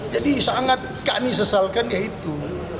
jadi sangat kami sesalkan ya itu